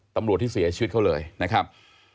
ตำรวจที่เสียชีวิตเขาเลยนะครับ